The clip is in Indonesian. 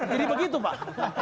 jadi begitu pak